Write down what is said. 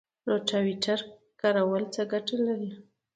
د روټاویټر کارول څه ګټه لري؟